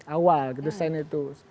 awal desain itu